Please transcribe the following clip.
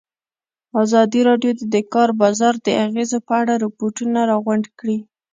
ازادي راډیو د د کار بازار د اغېزو په اړه ریپوټونه راغونډ کړي.